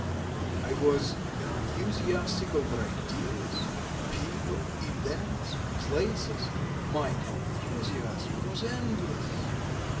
... I was enthusiastic over ideas, people, events, places ... my enthusiasm was endless!